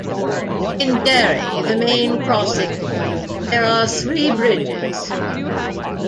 In Derry, the main crossing point, there are three bridges.